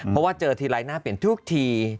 เพราะว่าเจอทีไรน่าเปลี่ยนทุกที